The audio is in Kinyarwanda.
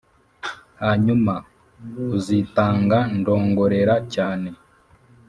hanyuma: "uzitanga?" ndongorera cyane,